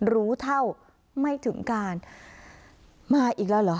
รู้เท่าไม่ถึงการมาอีกแล้วเหรอ